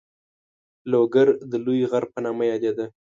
لوګر د لوی غر په نامه یادېده.